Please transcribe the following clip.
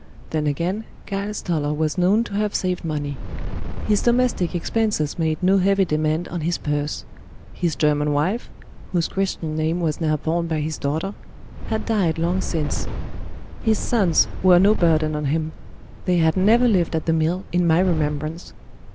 Then again, Giles Toller was known to have saved money. His domestic expenses made no heavy demand on his purse; his German wife (whose Christian name was now borne by his daughter) had died long since; his sons were no burden on him; they had never lived at the mill in my remembrance.